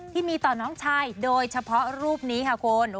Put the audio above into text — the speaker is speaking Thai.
ที่มีต่อน้องชายโดยเฉพาะรูปนี้ค่ะคุณ